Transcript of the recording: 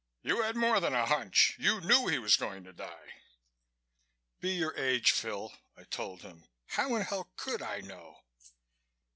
You had more than a hunch. You knew he was going to die." "Be your age, Phil," I told him. "How in hell could I know?"